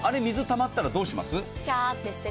あれ、水がたまったらどうします？